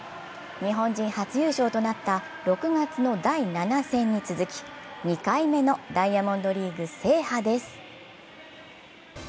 日本人初優勝となった６月の第７戦に続き、２回目のダイヤモンドリーグ制覇です。